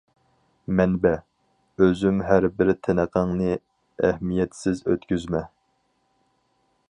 مەنبە: ئۆزۈم ھەربىر تىنىقىڭنى ئەھمىيەتسىز ئۆتكۈزمە!